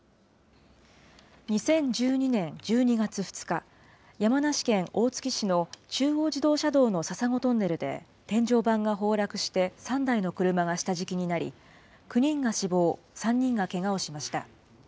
２０１２年１２月２日、山梨県大月市の中央自動車道の笹子トンネルで天井板が崩落して３台の車が下敷きになり、９人が死亡、３人がけがをしました。